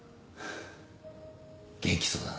元気そうだな。